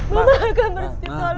mama akan bersujud